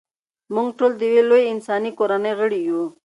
موږ ټول د یوې لویې انساني کورنۍ غړي یو.